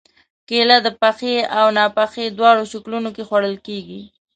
کېله د پخې او ناپخې دواړو شکلونو کې خوړل کېږي.